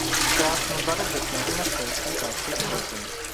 Կրասնոդարը գտնվում է սեյսմիկ ակտիվ գոտում։